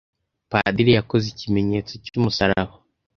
Padiri yakoze ikimenyetso cyumusaraba.